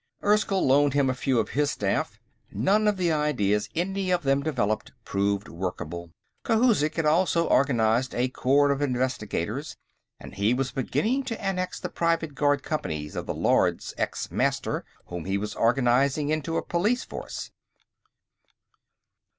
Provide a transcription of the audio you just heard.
Erskyll loaned him a few of his staff. None of the ideas any of them developed proved workable. Khouzhik had also organized a corps of investigators, and he was beginning to annex the private guard companies of the Lords ex Master, whom he was organizing into a police force.